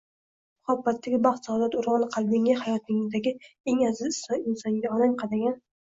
Muhabbatdagi baxt-saodat urug`ini qalbingga hayotingdagi eng aziz inson onang qadagan